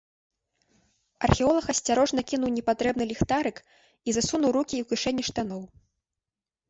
Археолаг асцярожна кінуў непатрэбны ліхтарык і засунуў рукі ў кішэні штаноў.